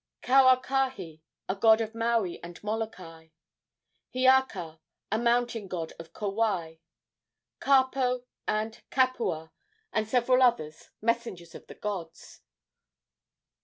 Kauakahi, a god of Maui and Molokai. Hiaka, a mountain god of Kauai. Kapo and Kapua, and several others, messengers of the gods.